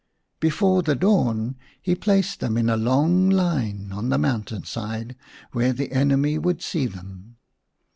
Before the dawn he placed them in a long line on the mountain side where the enemy would see them.